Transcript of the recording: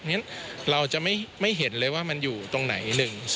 เพราะฉะนั้นเราจะไม่เห็นเลยว่ามันอยู่ตรงไหน